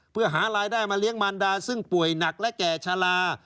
เพื่อหารายได้มาเลี้ยงมารดาซึ่งป่วยหนักและแก่ชะลา